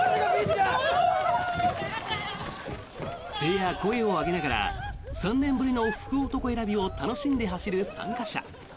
手や声を上げながら３年ぶりの福男選びを楽しんで走る参加者。